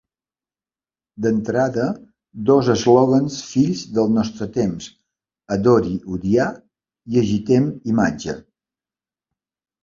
D'entrada, dos eslògans fills del nostre temps: adori odiar i agitem imatge.